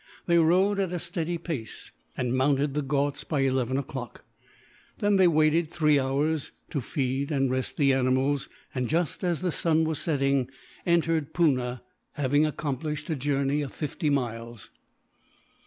They rode at a steady pace, and mounted the Ghauts by eleven o'clock. Then they waited three hours, to feed and rest the animals and, just as the sun was setting, entered Poona, having accomplished a journey of fifty miles.